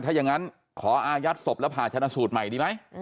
ถ้าอย่างนั้นขออายัดศพแล้วผ่าชนะสูตรใหม่ดีไหม